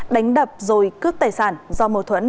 đánh đập rồi cướp tài sản do mâu thuẫn